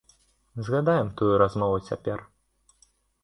Згадаем тую размову цяпер.